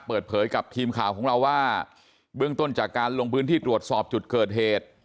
เปิดเผยกับทีมข่าวของเราว่าเบื้องต้นจากการลงพื้นที่ตรวจสอบจุดเกิดเหตุ